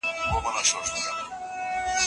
اسلام هر چاته خپل حق ورکړی دی.